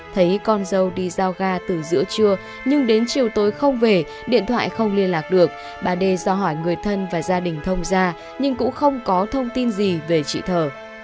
thấy con dâu đi giao ga từ giữa trưa nhưng đến chiều tối không về điện thoại không liên lạc được bà đê ra hỏi người thân và gia đình thông ra nhưng cũng không có thông tin gì về chị thở